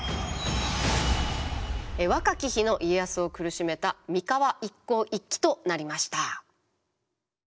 若き日の家康を苦しめた三河一向一揆となりました。